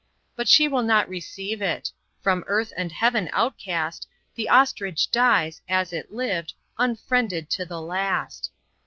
But she will not receive it. From earth and heaven outcast, The Ostrich dies, as it lived, unfriended to the last.